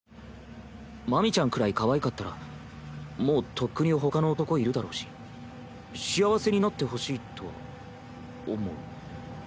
マミちゃんくらいかわいかったらもうとっくにほかの男いるだろうし幸せになってほしいとは思う。